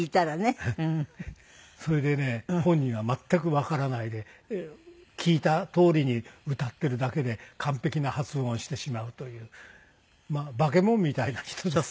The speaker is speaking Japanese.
それでね本人は全くわからないで聴いたとおりに歌っているだけで完璧な発音をしてしまうというまあ化け物みたいな人です。